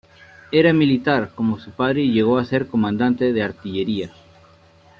Era militar, como su padre y llegó a ser comandante de Artillería.